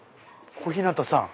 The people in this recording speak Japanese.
小日向さん。